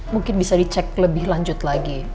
mungkin bisa dicek lebih lanjut lagi